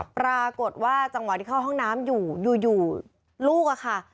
ปรากฏว่าจังหวะที่เข้าห้องน้ำอยู่อยู่ลูกอะค่ะ